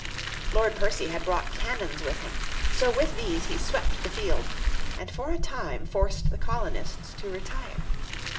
Lord Percy had brought cannons with him, so with these he swept the field, and for a time forced the colonists to retire.